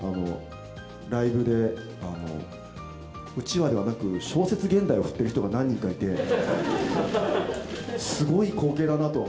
ライブでうちわではなく、小説現代を振ってる人が何人かいて、すごい光景だなと。